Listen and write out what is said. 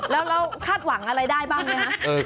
แล้วเราคาดหวังอะไรได้บ้างไหมคะ